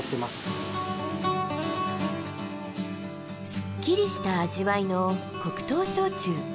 すっきりした味わいの黒糖焼酎。